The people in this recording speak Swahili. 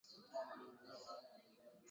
i ya hapa nyumbani yaani tribunal